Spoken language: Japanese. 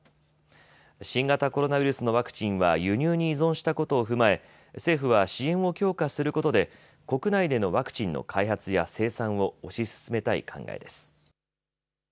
新型コロナウイルスのワクチンは輸入に依存したことを踏まえ政府は支援を強化することで国内でのワクチンの開発や生産を推し進めたい考えです。